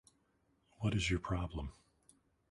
What is your problem?